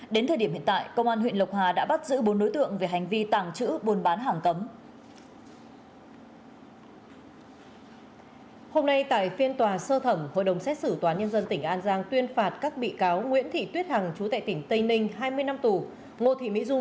đến thời điểm hiện tại công an huyện lộc hà đã bắt giữ bốn đối tượng về hành vi tàng trữ buôn bán hàng cấm